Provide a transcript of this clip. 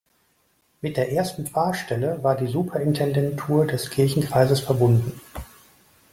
Mit der ersten Pfarrstelle war die Superintendentur des Kirchenkreises verbunden.